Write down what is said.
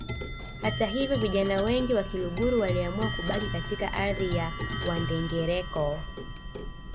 Hata hivyo vijana wengi wa Kiluguru waliamua kubaki katika ardhi ya Wandengereko